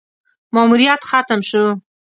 ماموریت ختم شو: